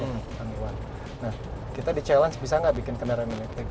nah kita di challenge bisa nggak bikin kendaraan listrik